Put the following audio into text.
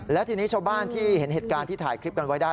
แล้วทีนี้ชาวบ้านที่เห็นเหตุการณ์ที่ถ่ายคลิปกันไว้ได้